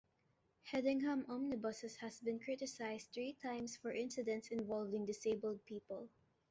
Hedingham Omnibuses has been criticised three times for incidents involving disabled people.